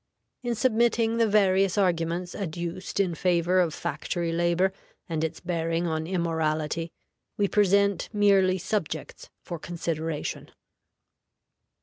In submitting the various arguments adduced in favor of factory labor and its bearing on immorality, we present merely subjects for consideration.